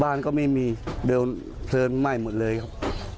บ้านก็ไม่มีเดี๋ยวเพลิงไหม้หมดเลยครับ